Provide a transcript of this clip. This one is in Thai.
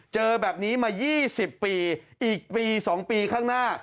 เจอแบบนี้มา๒๐ปีอีกปี๒ปีข้างหน้า